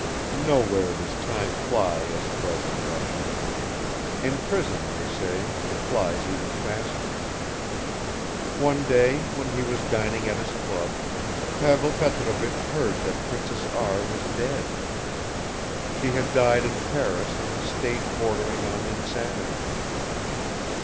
Nowhere does time fly as it does in Russia; in prison, they say, it flies even faster. One day when he was dining at his club, Pavel Petrovich heard that Princess R. was dead. She had died in Paris in a state bordering on insanity.